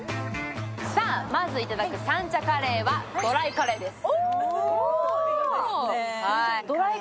まずいただく三茶カレーはドライカレーです。